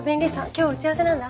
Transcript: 今日打ち合わせなんだ。